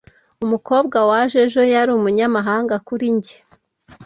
Umukobwa waje ejo yari umunyamahanga kuri njye